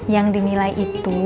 yang dinilai itu